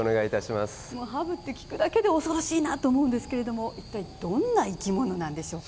ハブって聞くだけで恐ろしいなと思うんですが一体どんな生き物なんでしょうか。